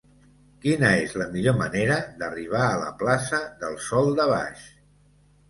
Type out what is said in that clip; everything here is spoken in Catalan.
Quina és la millor manera d'arribar a la plaça del Sòl de Baix?